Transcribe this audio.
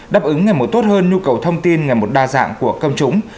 đáp ứng ngày mùa tốt hơn nhu cầu thông tin ngày mùa đa dạng của công chúng